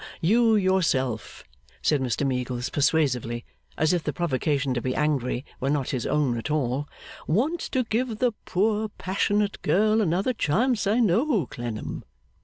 You yourself,' said Mr Meagles, persuasively, as if the provocation to be angry were not his own at all, 'want to give the poor passionate girl another chance, I know, Clennam.